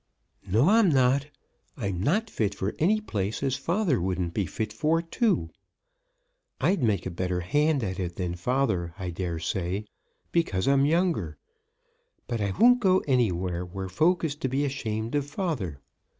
"No, I'm not. I'm not fit for any place as father wouldn't be fit for too. I'd make a better hand at it than father, I dare say, because I'm younger. But I won't go anywhere where folk is to be ashamed of father.